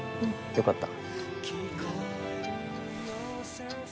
よかった。